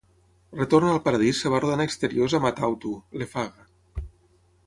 Retorn al paradís es va rodar en exteriors a Matautu, Lefaga.